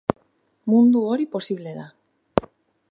Mundu hori posible da.